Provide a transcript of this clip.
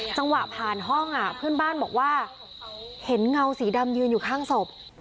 จังหวะผ่านห้องเพื่อนบ้านบอกว่าเห็นเงาสีดำยืนอยู่ข้างศพ